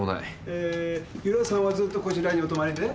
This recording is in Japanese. えー由良さんはずっとこちらにお泊まりで？